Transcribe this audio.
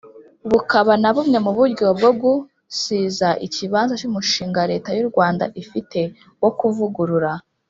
bukaba na bumwe mu buryo bwo gusiza ikibanza cy'umushinga Leta y'U Rwanda ifite wo kuvugurura